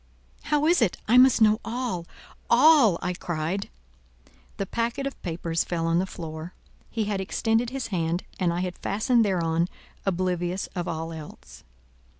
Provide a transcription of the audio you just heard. "How is it? I must know all—all," I cried. The packet of papers fell on the floor. He had extended his hand, and I had fastened thereon, oblivious of all else.